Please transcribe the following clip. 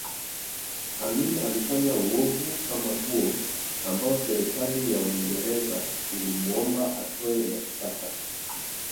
Amin alifanya uovu kama huo ambao serikali ya Uingereza ilimuomba atoe mashtaka